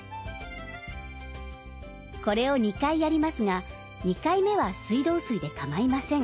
これを２回やりますが２回目は水道水でかまいません。